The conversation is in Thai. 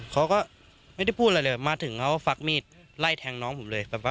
เขาก็ไม่ได้พูดอะไรเลยมาถึงเขาก็ฟักมีดไล่แทงน้องผมเลย